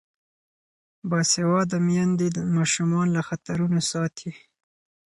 باسواده میندې ماشومان له خطرونو ساتي.